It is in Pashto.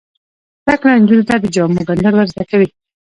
زده کړه نجونو ته د جامو ګنډل ور زده کوي.